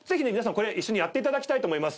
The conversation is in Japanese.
これ一緒にやっていただきたいと思います。